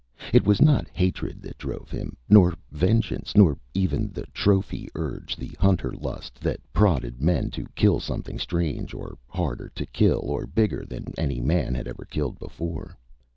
It was not hatred that drove him, nor vengeance, nor even the trophy urge the hunter lust that prodded men to kill something strange or harder to kill or bigger than any man had ever killed before.